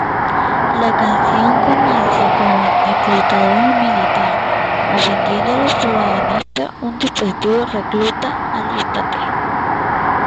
La canción comienza con un reclutador militar ofreciendo al protagonista, un posible recluta, alistarse.